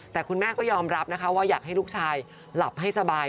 แต่คุณแม่ก็ยอมรับนะคะว่าอยากให้ลูกชายหลับให้สบาย